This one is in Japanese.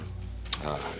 ああ。